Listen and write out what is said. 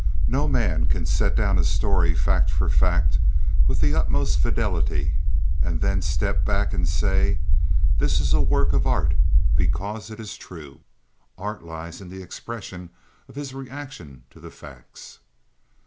No man can set down a story fact for fact with the utmost fidelity and then step back and say: "This is a work of art because it is true." Art lies in the expression of his reaction to the facts.